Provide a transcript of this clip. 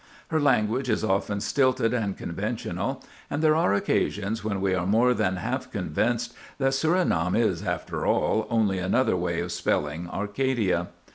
Her language is often stilted and conventional, and there are occasions when we are more than half convinced that Surinam is, after all, only another way of spelling Arcadia.